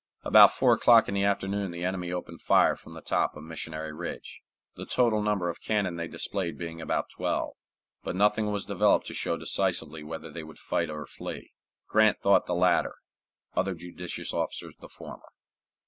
About four o'clock in the afternoon the enemy opened fire from the top of Missionary Ridge, the total number of cannon they displayed being about twelve, but nothing was developed to show decisively whether they would fight or flee. Grant thought the latter; other judicious officers the former.